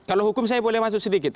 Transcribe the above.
kalau hukum saya boleh masuk sedikit